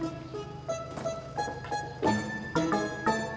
deh kemarin ada yang datang lihat rumah